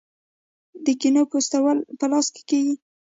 د کینو پوستول په لاس کیږي.